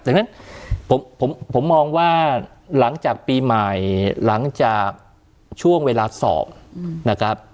ดังนั้นผมมองว่าหลังจากปีใหม่หลังจากช่วงเวลาสอบนะครับ